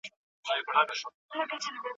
د چا د زړه د چا د سترگو له دېواله وځم